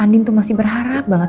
andin tuh masih berharap banget